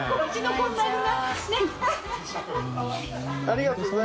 ありがとうね。